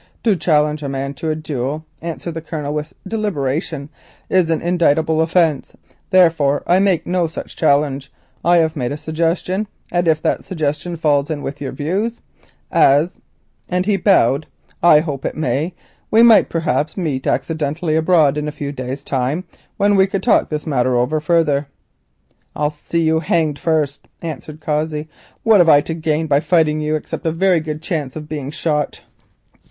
"To challenge a man to fight a duel," answered the Colonel with deliberation, "is an indictable offence, therefore I make no such challenge. I have made a suggestion, and if that suggestion falls in with your views as," and he bowed, "I hope it may, we might perhaps meet accidentally abroad in a few days' time, when we could talk this matter over further." "I'll see you hanged first," answered Cossey. "What have I to gain by fighting you except a very good chance of being shot?